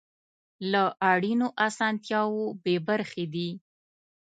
له اړینو اسانتیاوو بې برخې دي.